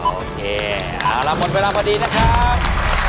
โอเคเอาละหมดเวลาพอดีนะครับ